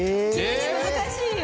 難しいよ。